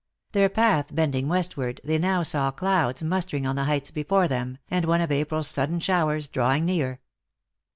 Their path bending westward, they now saw clouds mustering on the heights before them, and one of April s sudden showers drawing near.